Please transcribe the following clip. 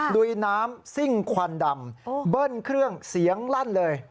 ลุยน้ำซิ่งควันดำเบิ้ลเครื่องเสียงลั่นเลย